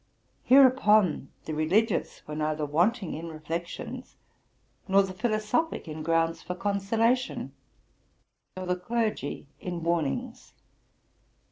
Hereupon the religious were neither wanting in reflections, nor the philosophic in grounds for consolation, nor the clergy in warnings.